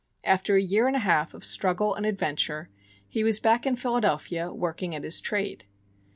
After a year and a half of struggle and adventure, he was back in Philadelphia working at his trade.